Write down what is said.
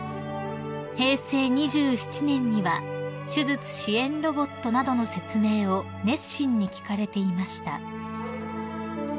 ［平成２７年には手術支援ロボットなどの説明を熱心に聞かれていました］